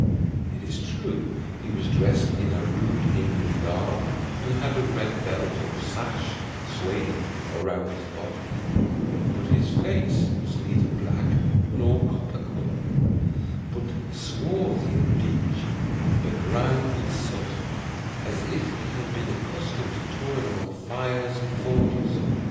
It is true he was dressed in a rude Indian garb, and had a red belt or sash swathed round his body; but his face was neither black nor copper color, but swarthy and dingy, and begrimed with soot, as if he had been accustomed to toil among fires and forges.